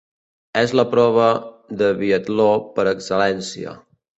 És la prova de biatló per excel·lència.